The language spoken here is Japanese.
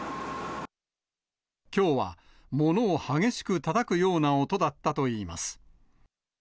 きょうは物を激しくたたくような音だったといいます。